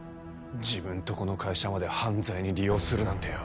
自分とこの会社まで犯罪に利用するなんてよ。